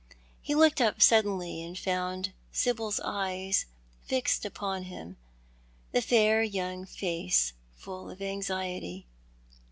He looked up suddenly and found Sibyl's eyes fixed upon him, the fair young face full of anxiety.